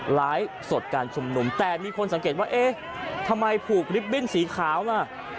ไลฟ์สดการชุมนุมแต่มีคนสังเกตว่าเอ๊ะทำไมผูกลิฟตบิ้นสีขาวล่ะ